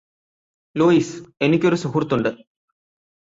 Luis എനിക്കൊരു സുഹൃത്തുണ്ട്